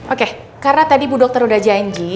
oke karena tadi budok terudah janji